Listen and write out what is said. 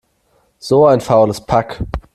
So ein faules Pack!